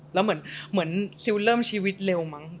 แล้วเหิมเหมือนซิโอ๊ยเริ่มชีวิตเร็วมั้ง